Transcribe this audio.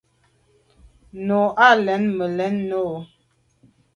Nu i làn me lèn o.